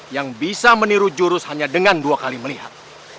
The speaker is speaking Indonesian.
yang bisa meniru jurus hanya dengan dua kali melihat